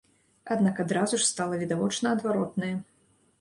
Аднак адразу ж стала відавочна адваротнае.